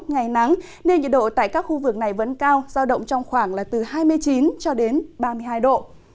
ngày nắng nên nhiệt độ tại các khu vực này vẫn cao giao động trong khoảng là từ hai mươi chín cho đến ba mươi hai độ